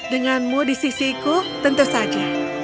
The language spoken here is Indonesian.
denganmu di sisiku tentu saja